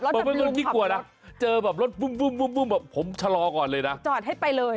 เบลคอนขับรถทำรุงขับรถ